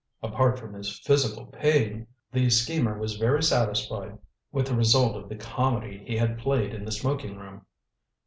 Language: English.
Apart from his physical pain, the schemer was very satisfied with the result of the comedy he had played in the smoking room.